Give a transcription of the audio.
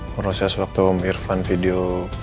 menurut saya sewaktu om irfan video